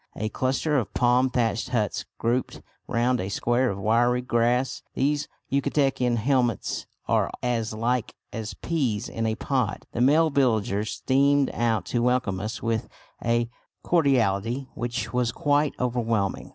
A cluster of palm thatched huts grouped round a square of wiry grass these Yucatecan hamlets are as like as peas in a pod. The male villagers streamed out to welcome us with a cordiality which was quite overwhelming.